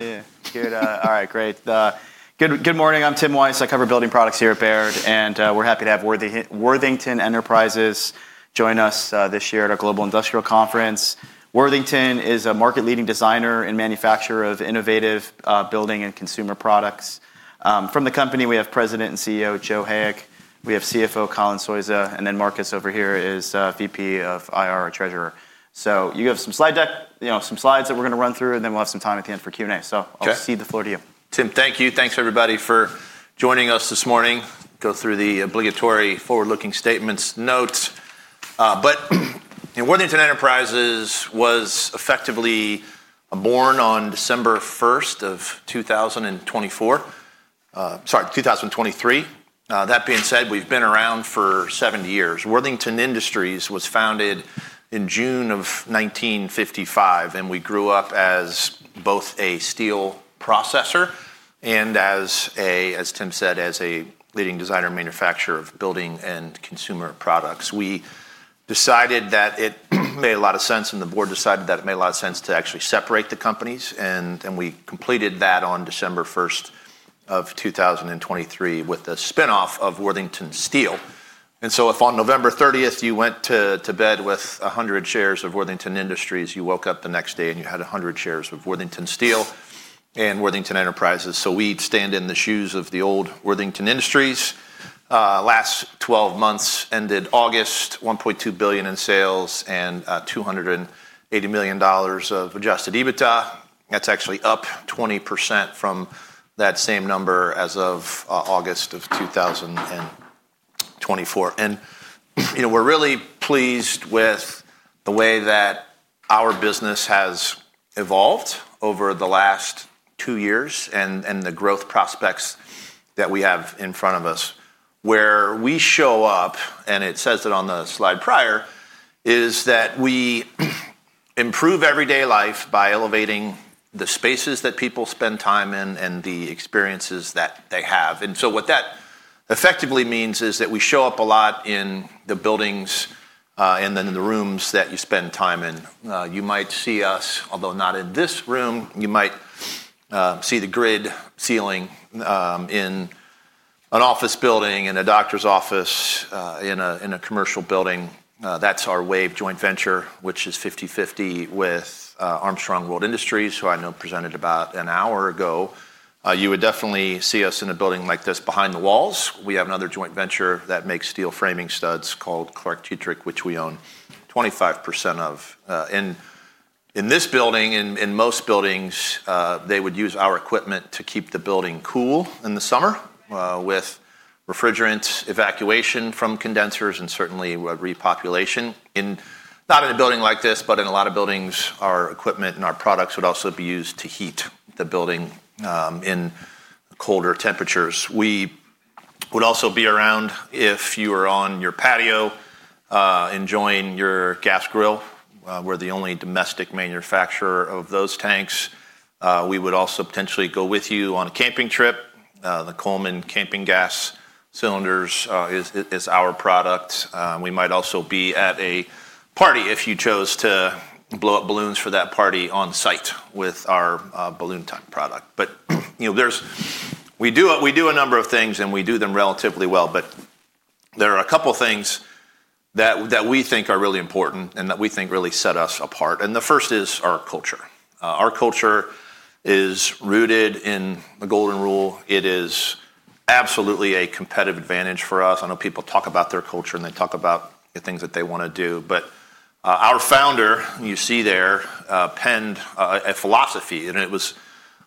Yeah. Good. All right, great. Good morning. I'm Tim Wojs I cover building products here at Baird, and we're happy to have Worthington Enterprises join us this year at our Global Industrial Conference. Worthington is a market-leading designer and manufacturer of innovative building and consumer products. From the company, we have President and CEO Joe Hayek. We have CFO Colin Souza, and then Marcus over here is VP of IR and Treasurer. You have some slide deck, some slides that we're going to run through, and then we'll have some time at the end for Q&A. I'll cede the floor to you. Tim, thank you. Thanks, everybody, for joining us this morning. Go through the obligatory forward-looking statements notes. Worthington Enterprises was effectively born on December 1st of 2024, sorry, 2023. That being said, we've been around for seven years. Worthington Industries was founded in June of 1955, and we grew up as both a steel processor and, as Tim said, as a leading designer and manufacturer of building and consumer products. We decided that it made a lot of sense, and the board decided that it made a lot of sense to actually separate the companies. We completed that on December 1st of 2023 with a spinoff of Worthington Steel. If on November 30th you went to bed with 100 shares of Worthington Industries, you woke up the next day and you had 100 shares of Worthington Steel and Worthington Enterprises. We stand in the shoes of the old Worthington Industries. Last 12 months ended August, $1.2 billion in sales and $280 million of Adjusted EBITDA. That's actually up 20% from that same number as of August of 2024. We're really pleased with the way that our business has evolved over the last two years and the growth prospects that we have in front of us. Where we show up, and it says it on the slide prior, is that we improve everyday life by elevating the spaces that people spend time in and the experiences that they have. What that effectively means is that we show up a lot in the buildings and then in the rooms that you spend time in. You might see us, although not in this room, you might see the grid ceiling in an office building, in a doctor's office, in a commercial building. That is our Wave joint venture, which is 50/50 with Armstrong World Industries, who I know presented about an hour ago. You would definitely see us in a building like this behind the walls. We have another joint venture that makes steel framing studs called ClarkDietrich, which we own 25% of. In this building, in most buildings, they would use our equipment to keep the building cool in the summer with refrigerant evacuation from condensers and certainly repopulation. Not in a building like this, but in a lot of buildings, our equipment and our products would also be used to heat the building in colder temperatures. We would also be around if you were on your patio enjoying your gas grill. We're the only domestic manufacturer of those tanks. We would also potentially go with you on a camping trip. The Coleman Camping Gas Cylinders is our product. We might also be at a party if you chose to blow up balloons for that party on site with our Balloon Time product. We do a number of things, and we do them relatively well. There are a couple of things that we think are really important and that we think really set us apart. The first is our culture. Our culture is rooted in the golden rule. It is absolutely a competitive advantage for us. I know people talk about their culture and they talk about the things that they want to do. Our founder, you see there, penned a philosophy, and it was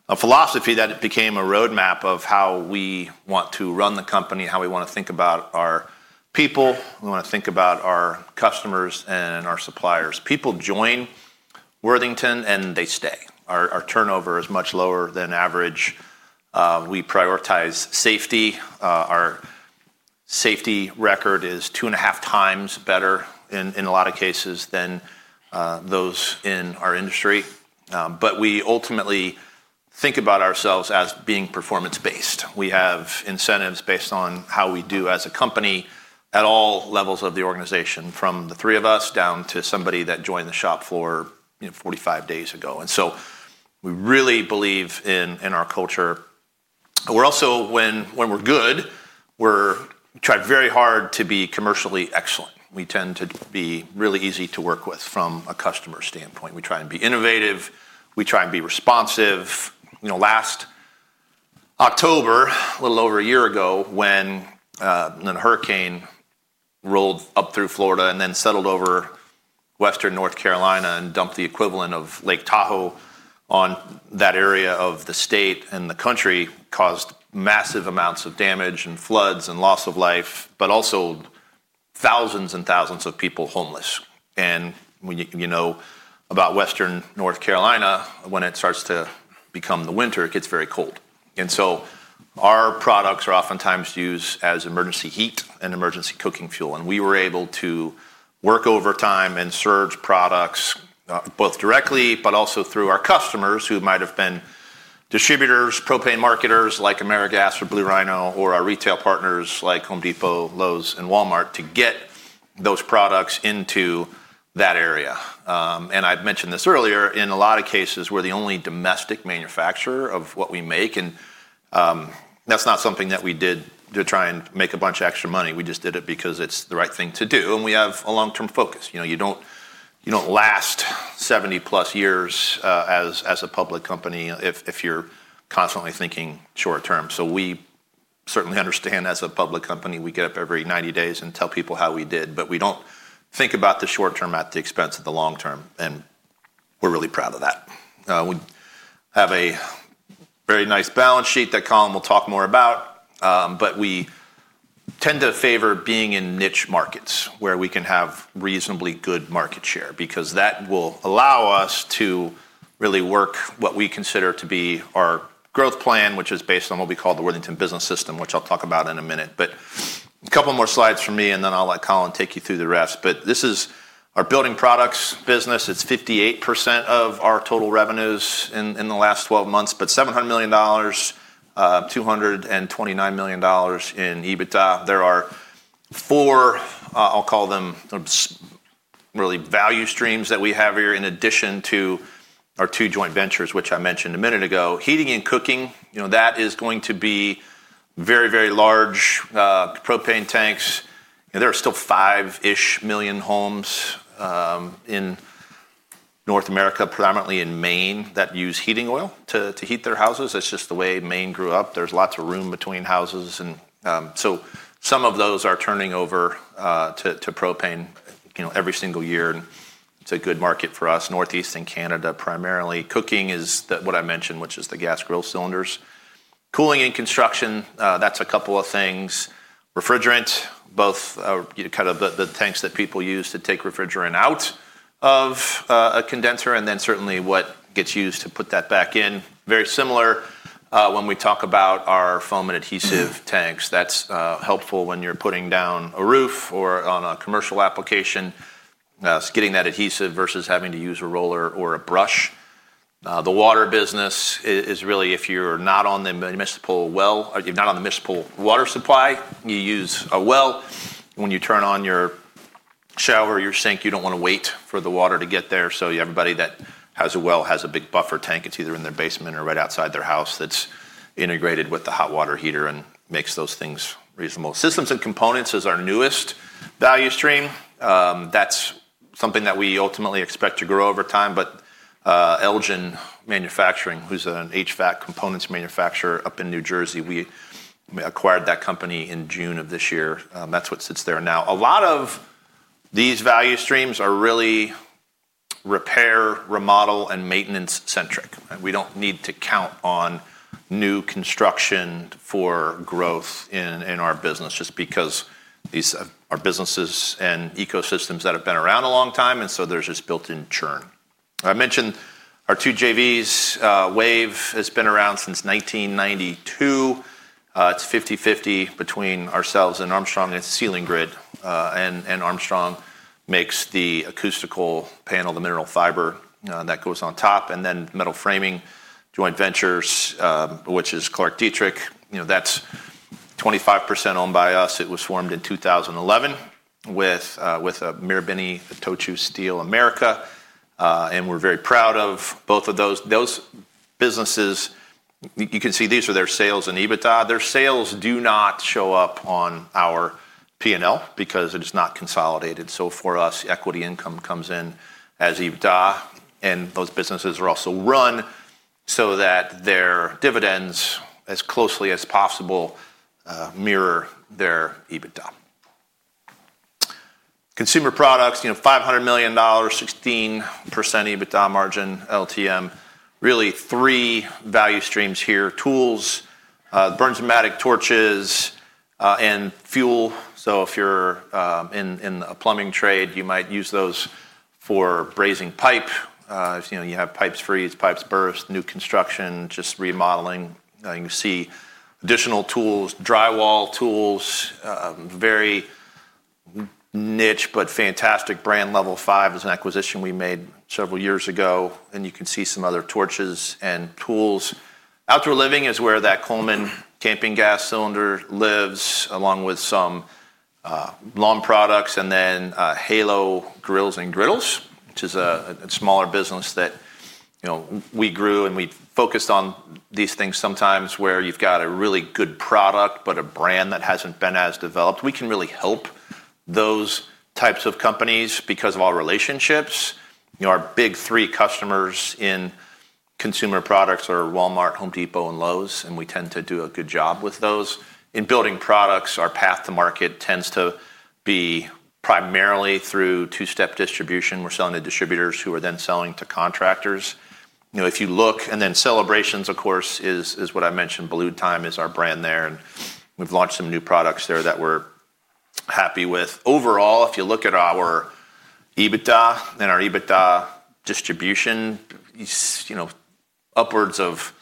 a philosophy that became a roadmap of how we want to run the company, how we want to think about our people, we want to think about our customers and our suppliers. People join Worthington and they stay. Our turnover is much lower than average. We prioritize safety. Our safety record is two and a half times better in a lot of cases than those in our industry. We ultimately think about ourselves as being performance-based. We have incentives based on how we do as a company at all levels of the organization, from the three of us down to somebody that joined the shop floor 45 days ago. We really believe in our culture. We're also, when we're good, we try very hard to be commercially excellent. We tend to be really easy to work with from a customer standpoint. We try and be innovative. We try and be responsive. Last October, a little over a year ago, when a hurricane rolled up through Florida and then settled over western North Carolina and dumped the equivalent of Lake Tahoe on that area of the state and the country, it caused massive amounts of damage and floods and loss of life, but also thousands and thousands of people homeless. You know about western North Carolina, when it starts to become the winter, it gets very cold. Our products are oftentimes used as emergency heat and emergency cooking fuel. We were able to work overtime and surge products both directly, but also through our customers who might have been distributors, propane marketers like AmeriGas or Blue Rhino, or our retail partners like Home Depot, Lowe's, and Walmart to get those products into that area. I have mentioned this earlier, in a lot of cases, we're the only domestic manufacturer of what we make. That is not something that we did to try and make a bunch of extra money. We just did it because it is the right thing to do. We have a long-term focus. You do not last 70+ years as a public company if you are constantly thinking short-term. We certainly understand as a public company, we get up every 90 days and tell people how we did. We do not think about the short-term at the expense of the long-term. We're really proud of that. We have a very nice balance sheet that Colin will talk more about. We tend to favor being in niche markets where we can have reasonably good market share because that will allow us to really work what we consider to be our growth plan, which is based on what we call the Worthington Business System, which I'll talk about in a minute. A couple more slides from me, and then I'll let Colin take you through the rest. This is our building products business. It's 58% of our total revenues in the last 12 months, about $700 million, $229 million in EBITDA. There are four, I'll call them really value streams that we have here in addition to our two joint ventures, which I mentioned a minute ago. Heating and cooking, that is going to be very, very large propane tanks. There are still five-ish million homes in North America, predominantly in Maine, that use heating oil to heat their houses. That is just the way Maine grew up. There is lots of room between houses. Some of those are turning over to propane every single year. It is a good market for us. Northeastern Canada primarily. Cooking is what I mentioned, which is the gas grill cylinders. Cooling and construction, that is a couple of things. Refrigerant, both kind of the tanks that people use to take refrigerant out of a condenser, and then certainly what gets used to put that back in. Very similar when we talk about our foam and adhesive tanks. That's helpful when you're putting down a roof or on a commercial application, getting that adhesive versus having to use a roller or a brush. The water business is really, if you're not on the municipal well, you're not on the municipal water supply, you use a well. When you turn on your shower or your sink, you don't want to wait for the water to get there. Everybody that has a well has a big buffer tank. It's either in their basement or right outside their house that's integrated with the hot water heater and makes those things reasonable. Systems and components is our newest value stream. That's something that we ultimately expect to grow over time. Elgin Manufacturing, who's an HVAC components manufacturer up in New Jersey, we acquired that company in June of this year. That's what sits there now. A lot of these value streams are really repair, remodel, and maintenance-centric. We do not need to count on new construction for growth in our business just because these are businesses and ecosystems that have been around a long time. There is this built-in churn. I mentioned our two JVs. Wave has been around since 1992. It is 50/50 between ourselves and Armstrong and Ceiling Grid. Armstrong makes the acoustical panel, the mineral fiber that goes on top. Metal framing joint ventures, which is ClarkDietrich, is 25% owned by us. It was formed in 2011 with Marubeni, Itochu Steel America. We are very proud of both of those. Those businesses, you can see these are their sales and EBITDA. Their sales do not show up on our P&L because it is not consolidated. For us, equity income comes in as EBITDA. Those businesses are also run so that their dividends, as closely as possible, mirror their EBITDA. Consumer products, $500 million, 16% EBITDA margin, LTM. Really three value streams here: tools, Bernzomatic torches, and fuel. If you're in the plumbing trade, you might use those for brazing pipe. You have pipes freeze, pipes burst, new construction, just remodeling. You see additional tools, drywall tools, very niche, but fantastic brand Level Five is an acquisition we made several years ago. You can see some other torches and tools. Outdoor living is where that Coleman Camping Gas Cylinder lives, along with some lawn products. Halo Grills and Griddles, which is a smaller business that we grew, and we focused on these things sometimes where you've got a really good product, but a brand that hasn't been as developed. We can really help those types of companies because of our relationships. Our big three customers in consumer products are Walmart, Home Depot, and Lowe's. We tend to do a good job with those. In building products, our path to market tends to be primarily through two-step distribution. We are selling to distributors who are then selling to contractors. If you look, and then Celebrations, of course, is what I mentioned. Balloon Time is our brand there. We have launched some new products there that we are happy with. Overall, if you look at our EBITDA and our EBITDA distribution, upwards of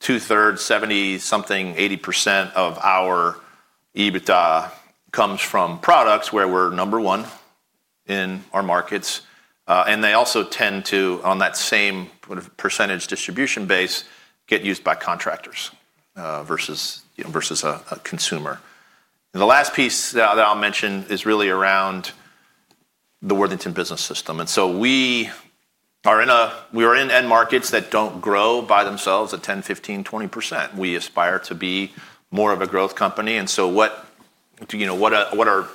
two-thirds, 70-something, 80% of our EBITDA comes from products where we are number one in our markets. They also tend to, on that same percentage distribution base, get used by contractors versus a consumer. The last piece that I will mention is really around the Worthington Business System. We are in end markets that do not grow by themselves at 10%, 15%, 20%. We aspire to be more of a growth company. What are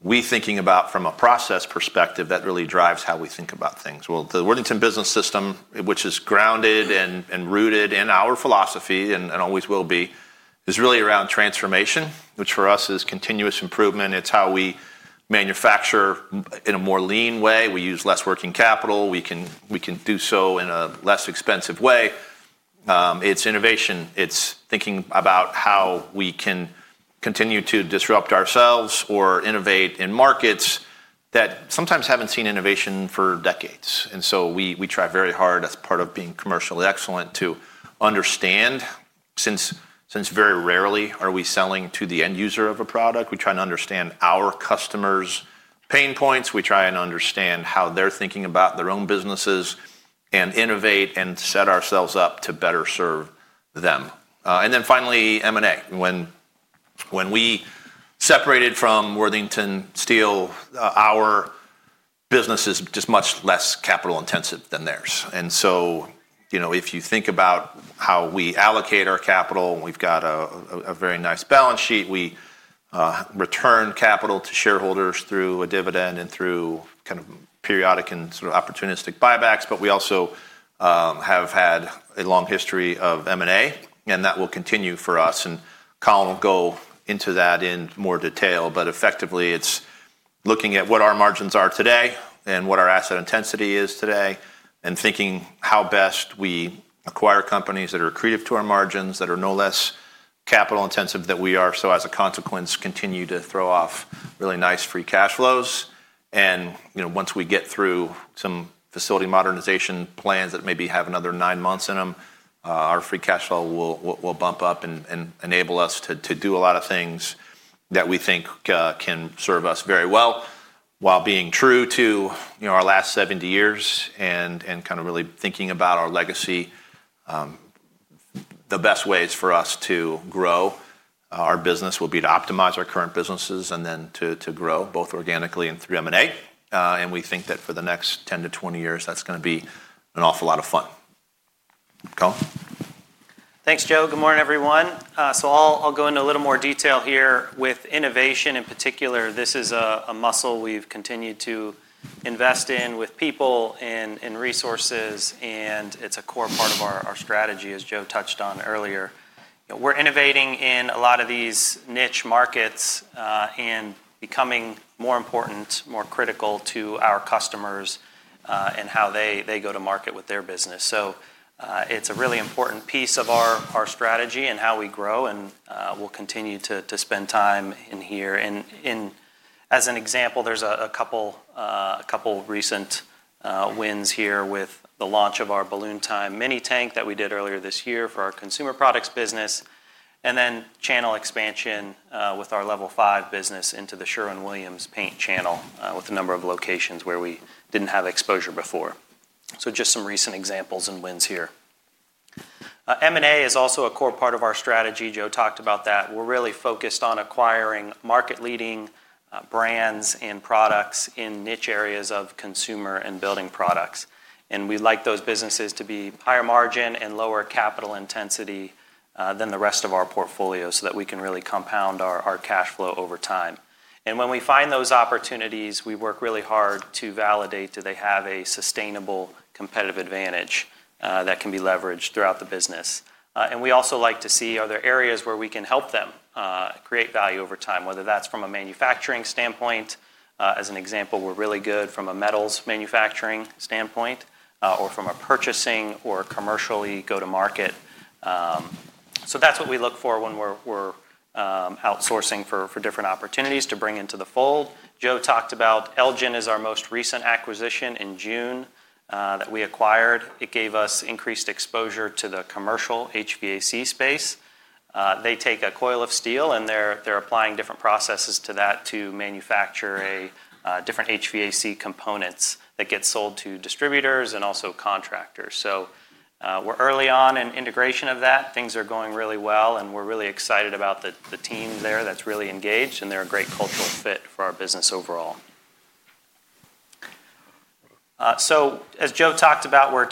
we thinking about from a process perspective that really drives how we think about things? The Worthington Business System, which is grounded and rooted in our philosophy and always will be, is really around transformation, which for us is continuous improvement. It is how we manufacture in a more lean way. We use less working capital. We can do so in a less expensive way. It is innovation. It is thinking about how we can continue to disrupt ourselves or innovate in markets that sometimes have not seen innovation for decades. We try very hard as part of being commercially excellent to understand since very rarely are we selling to the end user of a product. We try and understand our customers' pain points. We try and understand how they're thinking about their own businesses and innovate and set ourselves up to better serve them. Finally, M&A. When we separated from Worthington Steel, our business is just much less capital-intensive than theirs. If you think about how we allocate our capital, we've got a very nice balance sheet. We return capital to shareholders through a dividend and through kind of periodic and sort of opportunistic buybacks. We also have had a long history of M&A, and that will continue for us. Colin will go into that in more detail. Effectively, it's looking at what our margins are today and what our asset intensity is today and thinking how best we acquire companies that are accretive to our margins that are no less capital-intensive than we are. As a consequence, continue to throw off really nice free cash flows. Once we get through some facility modernization plans that maybe have another nine months in them, our free cash flow will bump up and enable us to do a lot of things that we think can serve us very well. While being true to our last 70 years and kind of really thinking about our legacy, the best ways for us to grow our business will be to optimize our current businesses and then to grow both organically and through M&A. We think that for the next 10-20 years, that's going to be an awful lot of fun. Colin? Thanks, Joe. Good morning, everyone. I'll go into a little more detail here with innovation in particular. This is a muscle we've continued to invest in with people and resources. It is a core part of our strategy, as Joe touched on earlier. We are innovating in a lot of these niche markets and becoming more important, more critical to our customers and how they go to market with their business. It is a really important piece of our strategy and how we grow. We will continue to spend time in here. As an example, there are a couple of recent wins here with the launch of our Balloon Time mini tank that we did earlier this year for our consumer products business. Channel expansion with our Level Five business into the Sherwin-Williams Paint channel with a number of locations where we did not have exposure before. These are just some recent examples and wins here. M&A is also a core part of our strategy. Joe talked about that. We're really focused on acquiring market-leading brands and products in niche areas of consumer and building products. We like those businesses to be higher margin and lower capital intensity than the rest of our portfolio so that we can really compound our cash flow over time. When we find those opportunities, we work really hard to validate do they have a sustainable competitive advantage that can be leveraged throughout the business. We also like to see are there areas where we can help them create value over time, whether that's from a manufacturing standpoint. As an example, we're really good from a metals manufacturing standpoint or from a purchasing or commercially go-to-market. That's what we look for when we're outsourcing for different opportunities to bring into the fold. Joe talked about Elgin is our most recent acquisition in June that we acquired. It gave us increased exposure to the commercial HVAC space. They take a coil of steel, and they're applying different processes to that to manufacture different HVAC components that get sold to distributors and also contractors. We're early on in integration of that. Things are going really well. We're really excited about the team there that's really engaged. They're a great cultural fit for our business overall. As Joe talked about, we're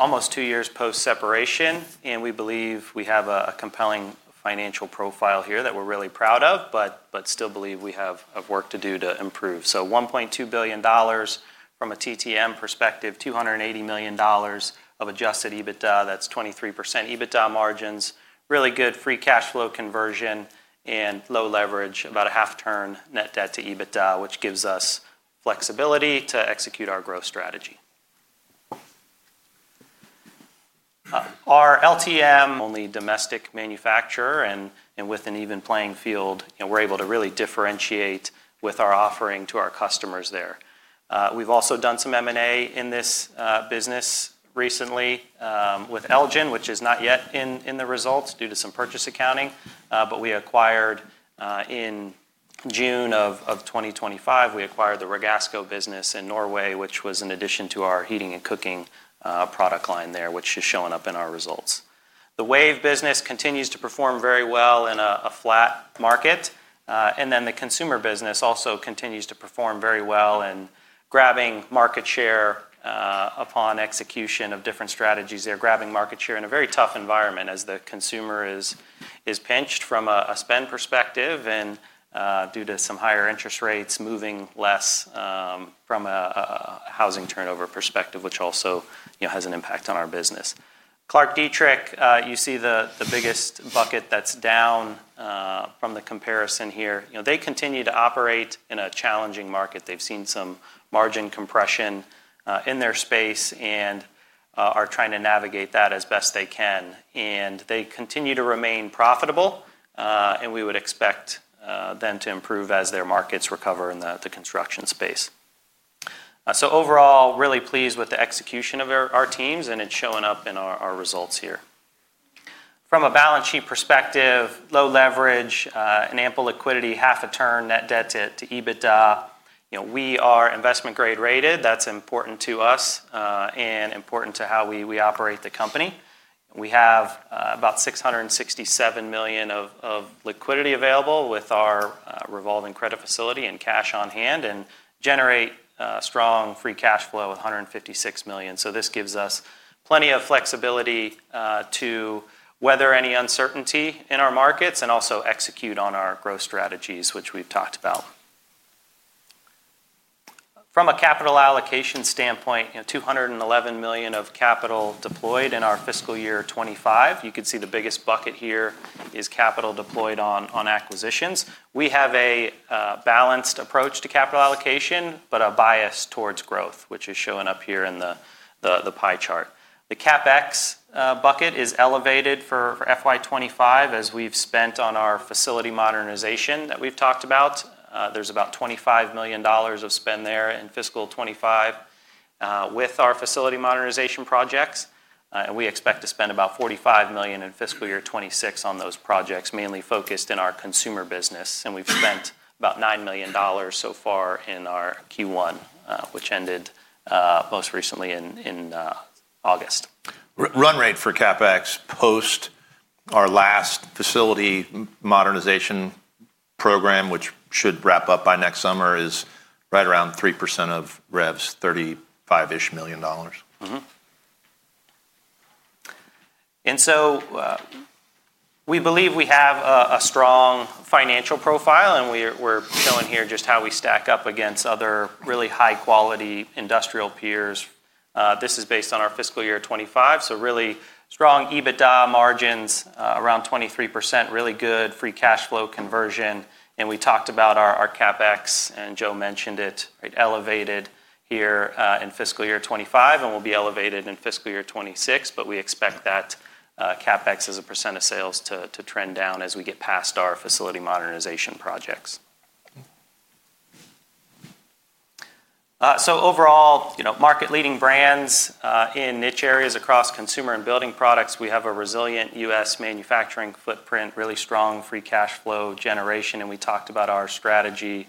almost two years post-separation. We believe we have a compelling financial profile here that we're really proud of, but still believe we have work to do to improve. $1.2 billion from a TTM perspective, $280 million of Adjusted EBITDA. That's 23% EBITDA margins, really good free cash flow conversion, and low leverage, about a half-turn net debt to EBITDA, which gives us flexibility to execute our growth strategy. Our LTM, only domestic manufacturer. With an even playing field, we're able to really differentiate with our offering to our customers there. We've also done some M&A in this business recently with Elgin, which is not yet in the results due to some purchase accounting. We acquired in June of 2025, we acquired the Rigasco business in Norway, which was in addition to our heating and cooking product line there, which is showing up in our results. The Wave business continues to perform very well in a flat market. The consumer business also continues to perform very well in grabbing market share upon execution of different strategies there, grabbing market share in a very tough environment as the consumer is pinched from a spend perspective and due to some higher interest rates moving less from a housing turnover perspective, which also has an impact on our business. ClarkDietrich, you see the biggest bucket that is down from the comparison here. They continue to operate in a challenging market. They have seen some margin compression in their space and are trying to navigate that as best they can. They continue to remain profitable. We would expect them to improve as their markets recover in the construction space. Overall, really pleased with the execution of our teams. It is showing up in our results here. From a balance sheet perspective, low leverage, and ample liquidity, half a turn net debt to EBITDA. We are investment-grade rated. That's important to us and important to how we operate the company. We have about $667 million of liquidity available with our revolving credit facility and cash on hand and generate strong free cash flow of $156 million. This gives us plenty of flexibility to weather any uncertainty in our markets and also execute on our growth strategies, which we've talked about. From a capital allocation standpoint, $211 million of capital deployed in our fiscal year 2025. You can see the biggest bucket here is capital deployed on acquisitions. We have a balanced approach to capital allocation, but a bias towards growth, which is showing up here in the pie chart. The CapEx bucket is elevated for FY 2025 as we've spent on our facility modernization that we've talked about. There's about $25 million of spend there in fiscal 2025 with our facility modernization projects. We expect to spend about $45 million in fiscal year 2026 on those projects, mainly focused in our consumer business. We've spent about $9 million so far in our Q1, which ended most recently in August. Run rate for CapEx post our last facility modernization program, which should wrap up by next summer, is right around 3% of Rev's, $35-ish million. We believe we have a strong financial profile. We are showing here just how we stack up against other really high-quality industrial peers. This is based on our fiscal year 2025. Really strong EBITDA margins, around 23%, really good free cash flow conversion. We talked about our CapEx, and Joe mentioned it, elevated here in fiscal year 2025 and will be elevated in fiscal year 2026. We expect that CapEx as a percent of sales to trend down as we get past our facility modernization projects. Overall, market-leading brands in niche areas across consumer and building products, we have a resilient U.S. manufacturing footprint, really strong free cash flow generation. We talked about our strategy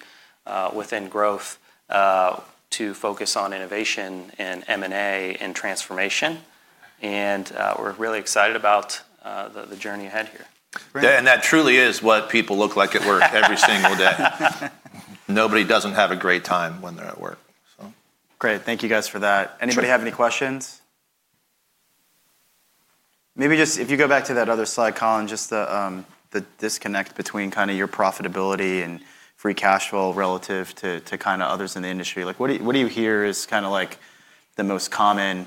within growth to focus on innovation and M&A and transformation. We are really excited about the journey ahead here. That truly is what people look like at work every single day. Nobody does not have a great time when they are at work. Great. Thank you, guys, for that. Anybody have any questions? Maybe just if you go back to that other slide, Colin, just the disconnect between kind of your profitability and free cash flow relative to kind of others in the industry. What do you hear is kind of like the most common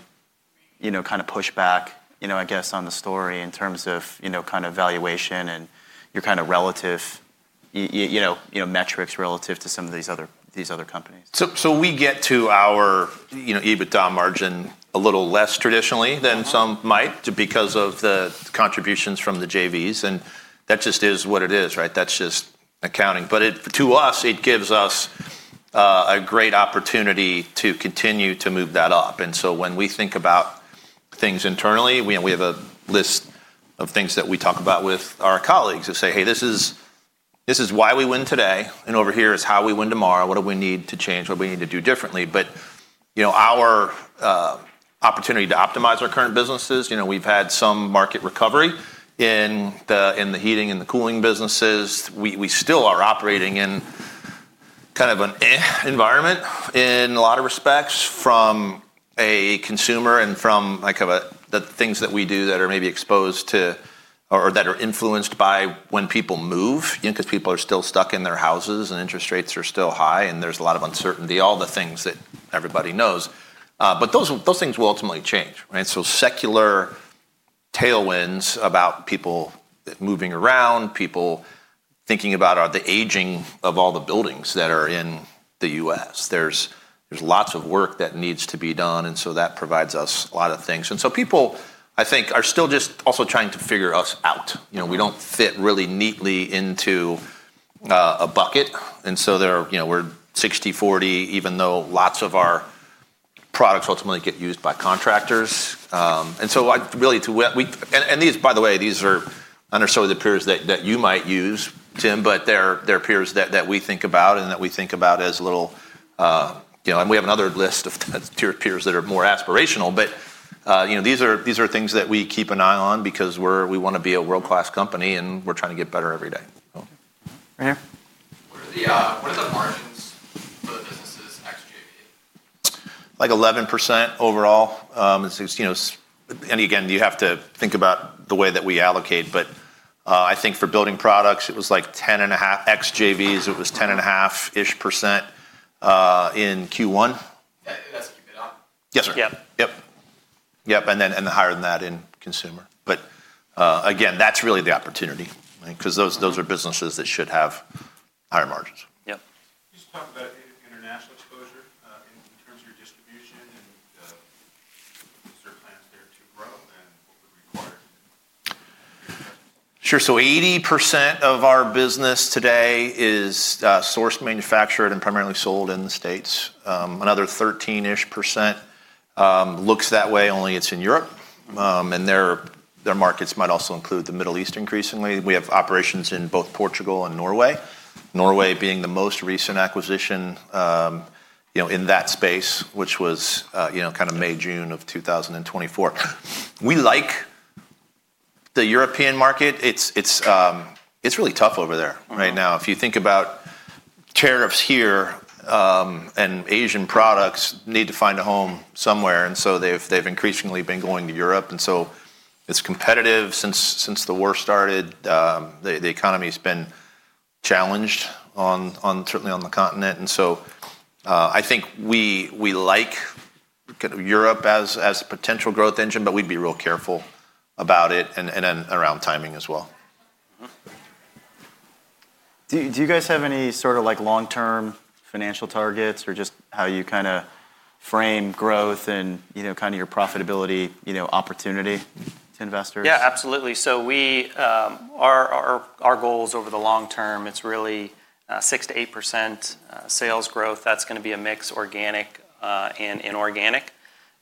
kind of pushback, I guess, on the story in terms of kind of valuation and your kind of relative metrics relative to some of these other companies? We get to our EBITDA margin a little less traditionally than some might because of the contributions from the JVs. That just is what it is. That is just accounting. To us, it gives us a great opportunity to continue to move that up. When we think about things internally, we have a list of things that we talk about with our colleagues that say, hey, this is why we win today. Over here is how we win tomorrow. What do we need to change? What do we need to do differently? Our opportunity to optimize our current businesses, we have had some market recovery in the heating and the cooling businesses. We still are operating in kind of an environment in a lot of respects from a consumer and from the things that we do that are maybe exposed to or that are influenced by when people move because people are still stuck in their houses and interest rates are still high. There is a lot of uncertainty, all the things that everybody knows. Those things will ultimately change. Secular tailwinds about people moving around, people thinking about the aging of all the buildings that are in the U.S. There is lots of work that needs to be done. That provides us a lot of things. People, I think, are still just also trying to figure us out. We do not fit really neatly into a bucket. We are 60/40, even though lots of our products ultimately get used by contractors. Really, to, and these, by the way, these are undersold peers that you might use, Tim, but they are peers that we think about and that we think about as little, and we have another list of peers that are more aspirational. These are things that we keep an eye on because we want to be a world-class company. We are trying to get better every day. Right here. What are the margins for the businesses ex-JV? Like 11% overall. You have to think about the way that we allocate. I think for building products, it was like 10.5% ex-JVs, it was 10.5%-ish in Q1. That's EBITDA? Yes, sir. Yep. Yep. Yep. And then higher than that in consumer. But again, that's really the opportunity because those are businesses that should have higher margins. Yep. You just talked about international exposure in terms of your distribution. Is there plans there to grow and what would require? Sure. 80% of our business today is sourced, manufactured, and primarily sold in the States. Another 13% looks that way, only it is in Europe. Their markets might also include the Middle East increasingly. We have operations in both Portugal and Norway, Norway being the most recent acquisition in that space, which was kind of May, June of 2024. We like the European market. It is really tough over there right now. If you think about tariffs here, and Asian products need to find a home somewhere. They have increasingly been going to Europe. It is competitive since the war started. The economy has been challenged, certainly on the continent. I think we like Europe as a potential growth engine, but we would be real careful about it and around timing as well. Do you guys have any sort of long-term financial targets or just how you kind of frame growth and kind of your profitability opportunity to investors? Yeah, absolutely. Our goals over the long term, it's really 6%-8% sales growth. That's going to be a mix organic and inorganic.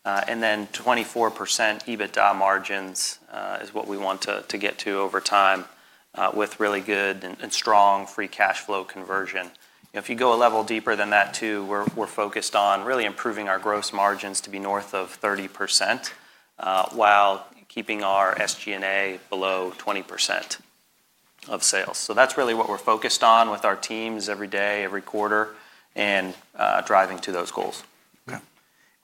Then 24% EBITDA margins is what we want to get to over time with really good and strong free cash flow conversion. If you go a level deeper than that too, we're focused on really improving our gross margins to be north of 30% while keeping our SG&A below 20% of sales. That's really what we're focused on with our teams every day, every quarter, and driving to those goals.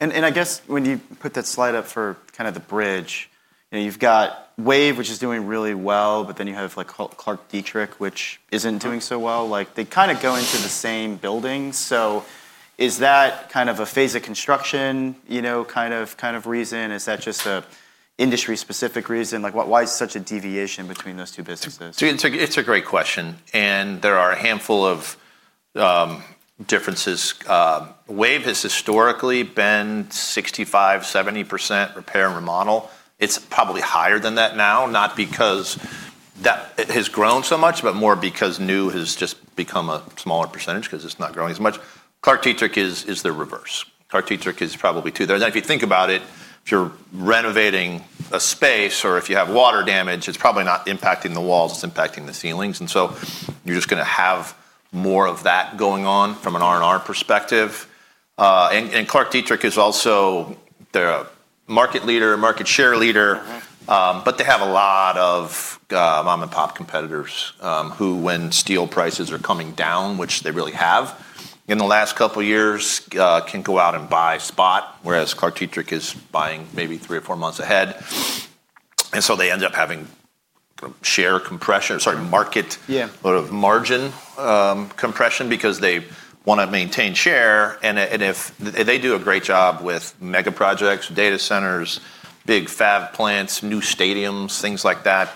I guess when you put that slide up for kind of the bridge, you've got Wave, which is doing really well. Then you have ClarkDietrich, which isn't doing so well. They kind of go into the same building. Is that kind of a phase of construction kind of reason? Is that just an industry-specific reason? Why is such a deviation between those two businesses? It's a great question. There are a handful of differences. Wave has historically been 65%-70% repair and remodel. It's probably higher than that now, not because that has grown so much, but more because new has just become a smaller percentage because it's not growing as much. ClarkDietrich is the reverse. ClarkDietrich is probably too. If you think about it, if you're renovating a space or if you have water damage, it's probably not impacting the walls. It's impacting the ceilings. You're just going to have more of that going on from an R&R perspective. ClarkDietrich is also their market leader, market share leader. They have a lot of mom-and-pop competitors who, when steel prices are coming down, which they really have in the last couple of years, can go out and buy spot, whereas ClarkDietrich is buying maybe three or four months ahead. They end up having margin compression because they want to maintain share. They do a great job with mega projects, data centers, big fab plants, new stadiums, things like that.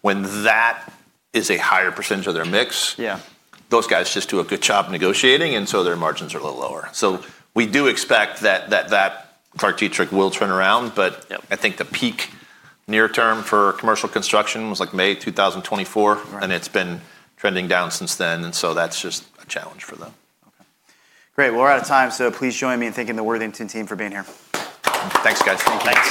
When that is a higher percentage of their mix, those guys just do a good job negotiating. Their margins are a little lower. We do expect that ClarkDietrich will turn around. I think the peak near term for commercial construction was like May 2024. It has been trending down since then. That is just a challenge for them. Great. Well, we're out of time. So please join me in thanking the Worthington team for being here. Thanks, guys. Thanks.